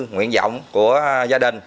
nguyện vọng của gia đình